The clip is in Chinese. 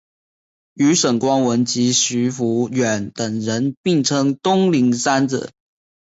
与沈光文及徐孚远等人并称东宁三子。